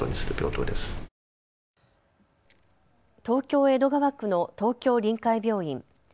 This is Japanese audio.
東京江戸川区の東京臨海病院。